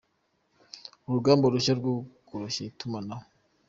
Urugamba rushya rwo koroshya itumanaho